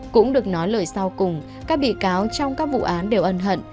cũng được nói lời sau cùng các bị cáo trong các vụ án đều ân hận